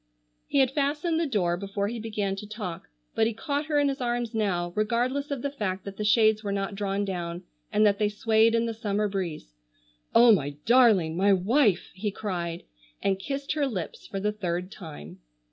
He had fastened the door before he began to talk, but he caught her in his arms now, regardless of the fact that the shades were not drawn down, and that they swayed in the summer breeze. "Oh, my darling! My wife!" he cried, and kissed her lips for the third time.